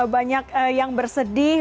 banyak yang bersedih